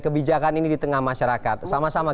kebijakan ini di tengah masyarakat sama sama